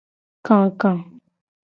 Kaka.